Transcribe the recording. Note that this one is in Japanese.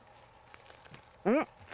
うん！